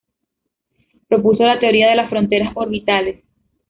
Propuso la "teoría de las fronteras orbitales".